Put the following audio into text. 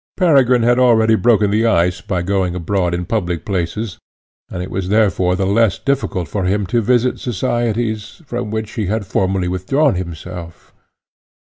Peregrine had already broken the ice by going abroad in public places, and it was therefore the less difficult for him to visit societies, from which he had formerly withdrawn himself.